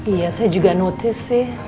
iya saya juga notice sih